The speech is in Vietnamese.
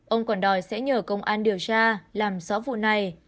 ông còn đòi sẽ nhờ công an điều tra làm rõ vụ này